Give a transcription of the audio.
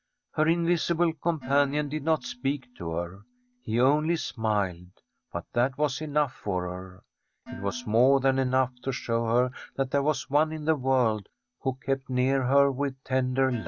Her invisible companion did not speak to her, he only smiled. But that was enough for her. It was more than enough to show her that there was one in the world who kept near her with tender love.